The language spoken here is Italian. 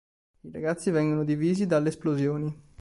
I ragazzi vengono divisi dalle esplosioni.